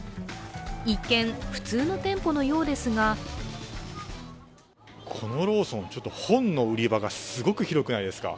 一見、普通の店舗のようですがこのローソン、ちょっと本の売り場がすごく広くないですか。